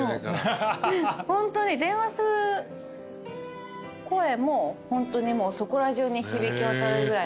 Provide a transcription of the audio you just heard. ホントに電話する声もそこら中に響き渡るぐらい。